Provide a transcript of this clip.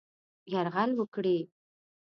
یرغل وکړي.